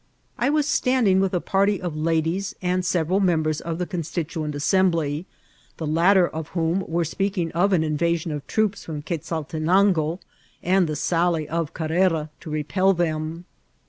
I was standing with a party of ladies and several members of the Constituent Assembly, the latter of whom were speaking of an invasion of ixoopm bom Quezaltenango, and the sally of Cazrera to repel them.